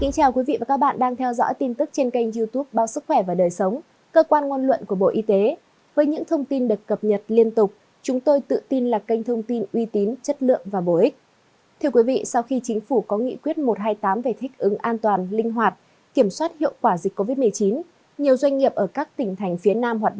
các bạn hãy đăng ký kênh để ủng hộ kênh của chúng mình nhé